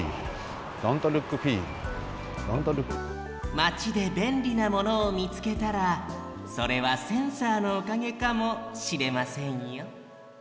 まちでべんりなものをみつけたらそれはセンサーのおかげかもしれませんよ